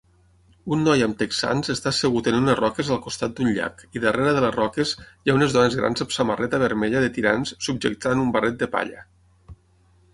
Un noi amb texans està assegut en unes roques al costat d'un llac i darrere de les roques hi ha unes dones grans amb samarreta vermella de tirants subjectant un barret de palla